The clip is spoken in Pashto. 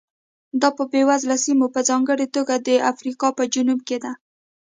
دا په بېوزله سیمو په ځانګړې توګه د افریقا په جنوب کې ده.